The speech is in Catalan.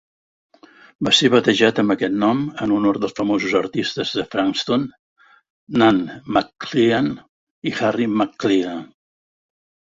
Va ser batejat amb aquest nom en honor dels famosos artistes de Frankston, Nan McClelland i Harry McClelland.